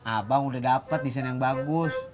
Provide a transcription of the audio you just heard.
abang udah dapet desain yang bagus